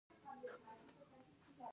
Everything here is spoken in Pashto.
پاملرنه ضروري ده.